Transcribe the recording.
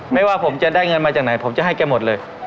ไม่ว่าผมจะได้เงินมาจากไหนผมจะให้แกหมดเลย